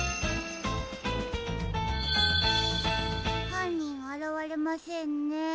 はんにんあらわれませんね。